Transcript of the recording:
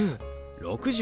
「６０」。